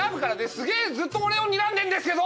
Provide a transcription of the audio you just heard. すげぇずっと俺をにらんでんですけど！